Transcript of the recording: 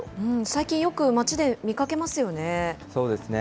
最近、よく街で見かけますよね。